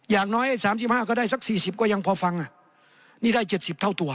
อย่างน้อย๓๕ก็ได้สัก๔๐ก็ยังพอฟังนี่ได้๗๐เท่าตัว